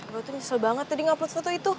gue tuh nyesel banget tadi nge upload foto itu